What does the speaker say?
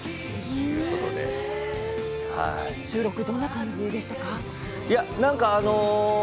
収録どんな感じでしたか？